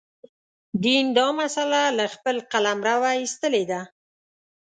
دین دا مسأله له خپل قلمروه ایستلې ده.